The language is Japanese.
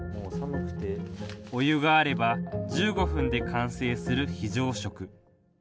お湯があれば１５分で完成する非常食。